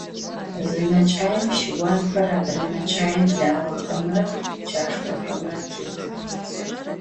Zı meç'aim şıuanxer, adre meç'aim lağexemre çaşşkexemre têtıx.